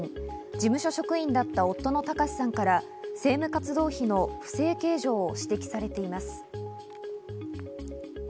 事務所職員だった夫の貴志さんから政務活動費の不正計上を指摘されています。